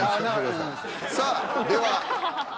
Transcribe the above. さあでは。